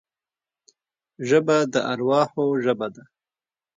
ژبه د ارواحو ژبه ده